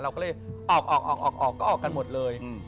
เราก็เลยออกออกก็ออกกันหมดเลย